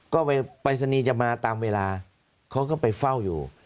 ก็ปรายศนีย์จะมาตามเวลาเขาก็ไปเฝ้าอยู่